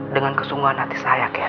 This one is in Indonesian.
dengan kesungguhan hati saya